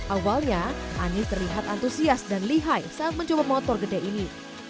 awalnya anies terlihat antusias dan lihai saat mencoba motor gede ini